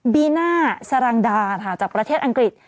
บีน่าสรังดาค่ะจากประเทศอังกฤษ